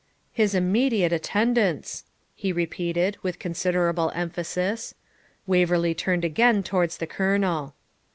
'His immediate attendance,' he repeated, with considerable emphasis. Waverley turned again towards the Colonel.